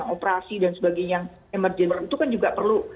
operasi dan sebagainya yang emerginger itu kan juga perlu